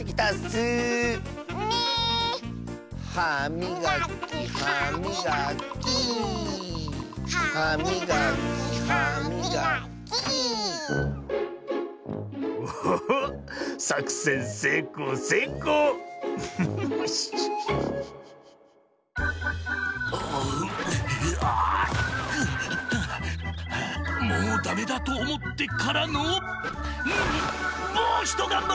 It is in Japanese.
はあもうダメだとおもってからのもうひとがんばり！